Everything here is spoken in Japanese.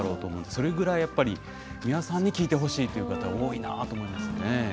それぐらい美輪さんに聞いてほしいという方も多いんだと思います。